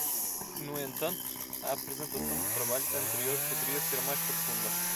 No entanto? a apresentação do trabalho anterior poderia ser mais profunda.